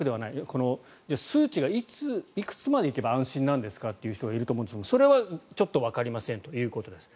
この数値がいくつまで行けば安心なんですかという人がいると思いますがそれはちょっとわかりませんということです。